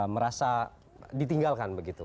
merasa ditinggalkan begitu